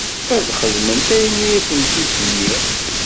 Ad xedment ayen i asent-id-nniɣ.